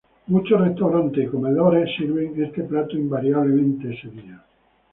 Muchos restaurantes y comedores sirven este plato invariablemente ese día.